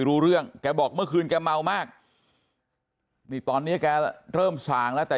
รู้เรื่องแกบอกเมื่อคืนแกเมามากนี่ตอนเนี้ยแกเริ่มส่างแล้วแต่